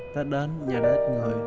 tết đến giờ đã ít người